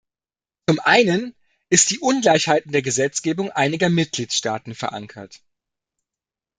Zum einen ist die Ungleichheit in der Gesetzgebung einiger Mitgliedstaaten verankert.